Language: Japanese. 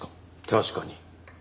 確かに。